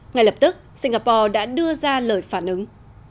ngay lập tức singapore đã đưa ra lời phản ứng